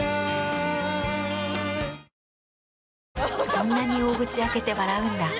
そんなに大口開けて笑うんだ。